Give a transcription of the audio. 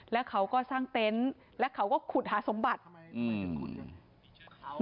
แล้วเขาก็สร้างเต็นต์และเขาก็ขุดหาสมบัติ